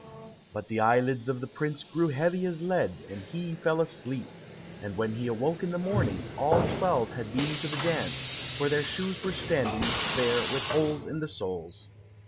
But the eyelids of the prince grew heavy as lead, and he fell asleep, and when he awoke in the morning, all twelve had been to the dance, for their shoes were standing there with holes in the soles.